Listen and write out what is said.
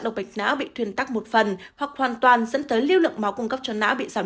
độc bệnh não bị thuyền tắc một phần hoặc hoàn toàn dẫn tới lưu lượng máu cung cấp cho não bị giảm